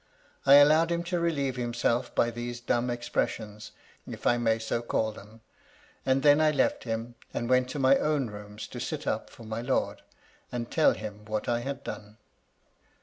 I allowed him to relieve himself by these dumb ex pressions, if I may so call them, — and then I left him, and went to my own rooms to sit up for my lord, and tell him what I had done.